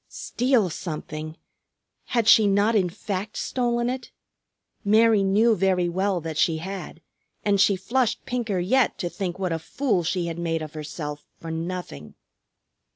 Steal something! Had she not in fact stolen it? Mary knew very well that she had, and she flushed pinker yet to think what a fool she had made of herself for nothing.